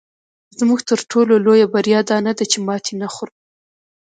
زموږ تر ټولو لویه بریا دا نه ده چې ماتې نه خورو.